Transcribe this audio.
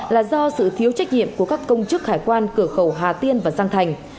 là do sự thiếu trách nhiệm của các công chức hải quan cửa khẩu hà tiên và giang thành